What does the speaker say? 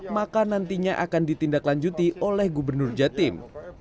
maka nantinya akan ditindaklanjuti oleh gubernur jatim